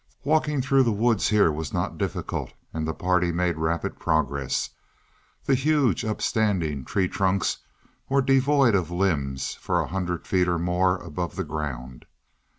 Walking through the woods here was not difficult, and the party made rapid progress. The huge, upstanding tree trunks were devoid of limbs for a hundred feet or more above the ground.